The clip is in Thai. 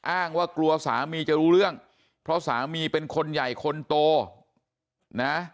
อ้างว่ากลัวสามีจะรู้เรื่องเพราะสามีเป็นคนใหญ่คนโตนะ